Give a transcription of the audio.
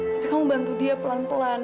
tapi kamu bantu dia pelan pelan